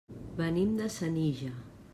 Venim de Senija.